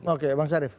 oke bang sarif